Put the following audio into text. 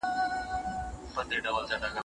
غیر داغ لرونکې الوپیسیا کې وېښتان بیرته وده کوي.